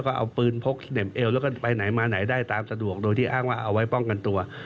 และเอาปืนพกเขนิมเอวแล้วก็ไปหน่ายมาหน่ายได้ตามสะดวกโดยให้เอาไว้ป้องกันตัว